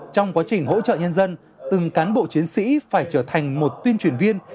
trong quá trình hỗ trợ nhân dân từng cán bộ chiến sĩ phải trở thành một tuyên truyền viên